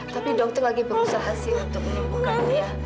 tapi dokter lagi berusaha sih untuk menemukannya